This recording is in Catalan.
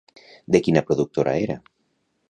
De quina productora era?